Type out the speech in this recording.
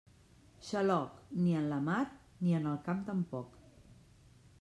Xaloc, ni en la mar ni en el camp tampoc.